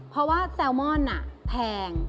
เพราะว่าแซลมอนแพง